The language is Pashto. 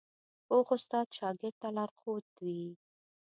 پوخ استاد شاګرد ته لارښود وي